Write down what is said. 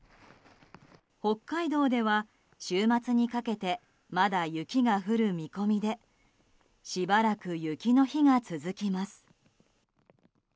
北海道では週末にかけてまだ雪が降る見込みでしばらく雪の日が続きます。